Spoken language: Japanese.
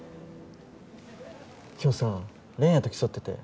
今日さ恋也と競ってて。